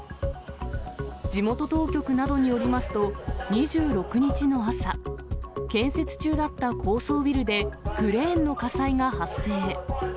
地元当局などによりますと、２６日の朝、建設中だった高層ビルで、クレーンの火災が発生。